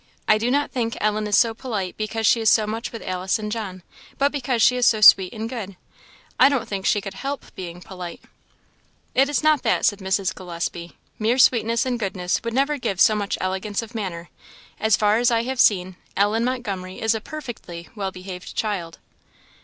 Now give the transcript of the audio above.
I do not think Ellen is so polite because she is so much with Alice and John, but because she is so sweet and good. I don't think she could help being polite." "It is not that," said Mrs. Gillespie; "mere sweetness and goodness would never give so much elegance of manner. As far as I have seen, Ellen Montgomery is a perfectly well behaved child."